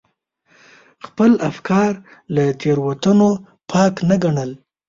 خپل افکار له تېروتنو پاک نه ګڼل.